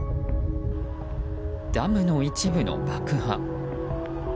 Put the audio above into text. ダムの一部の爆破。